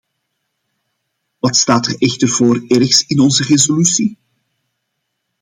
Wat staat er echter voor ergs in onze resolutie?